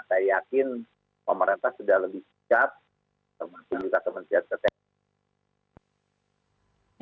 saya yakin pemerintah sudah lebih siap termasuk juga kementerian kesehatan